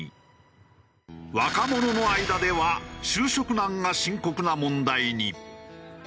若者の間では就職難が深刻な問題に。